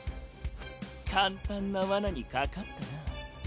簡単な罠にかかったな。